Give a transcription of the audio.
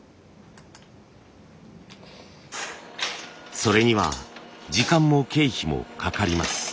それには時間も経費もかかります。